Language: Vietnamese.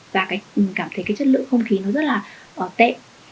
và mình cảm thấy cái chất lượng không khí nó rất là tệ